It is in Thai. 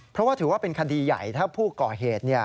เพราะว่าถือว่าเป็นคดีใหญ่ถ้าผู้ก่อเหตุ